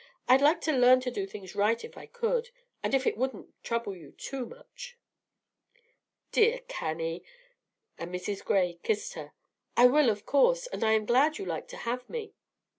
I'd like to learn to do things right if I could, and if it wouldn't trouble you too much." "Dear Cannie," and Mrs. Gray kissed her, "I will, of course; and I am glad you like to have me.